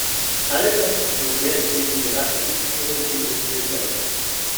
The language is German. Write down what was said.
Alle Kraft muss jetzt in die Ratifizierung investiert werden.